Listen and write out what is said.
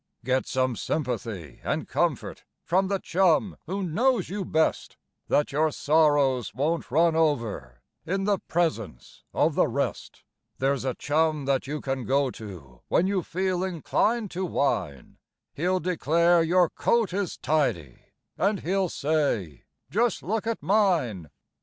Get some sympathy and comfort from the chum who knows you best, Then your sorrows won't run over in the presence of the rest ; There's a chum that you can go to when you feel inclined to whine, He'll declare your coat is tidy, and he'll say : "Just look at mine